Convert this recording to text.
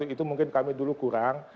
itu mungkin kami dulu kurang